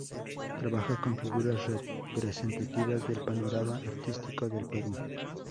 Trabaja con figuras representativas del panorama artístico del Perú.